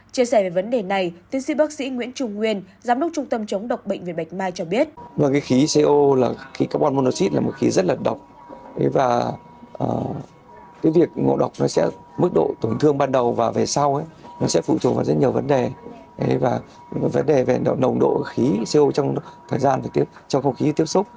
chia sẻ về vấn đề này tiến sĩ bác sĩ nguyễn trung nguyên